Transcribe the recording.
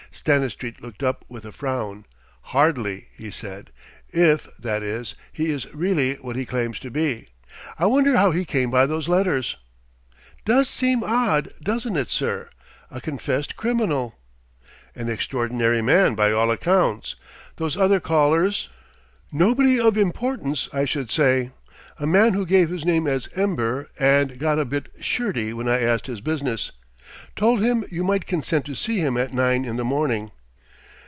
Stanistreet looked up with a frown. "Hardly," he said "if, that is, he is really what he claims to be. I wonder how he came by those letters." "Does seem odd, doesn't it, sir? A confessed criminal!" "An extraordinary man, by all accounts.... Those other callers ?" "Nobody of importance, I should say. A man who gave his name as Ember and got a bit shirty when I asked his business. Told him you might consent to see him at nine in the morning."